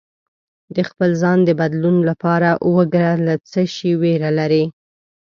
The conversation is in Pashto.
د خپل ځان د بدلون لپاره وګره له څه شي ویره لرې